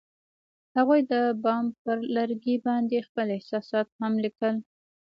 هغوی د بام پر لرګي باندې خپل احساسات هم لیکل.